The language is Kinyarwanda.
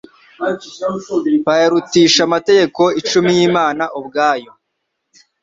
bayarutisha amategeko icumi y'Imana ubwayo.